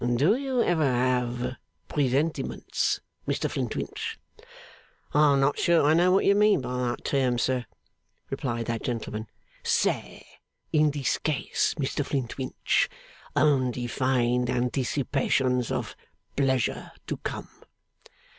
Do you ever have presentiments, Mr Flintwinch?' 'I am not sure that I know what you mean by the term, sir,' replied that gentleman. 'Say, in this case, Mr Flintwinch, undefined anticipations of pleasure to come.